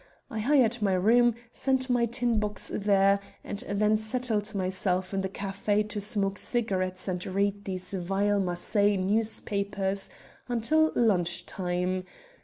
I hired my room; sent my tin box there, and then settled myself in the café to smoke cigarettes and read these vile Marseilles newspapers until lunch time.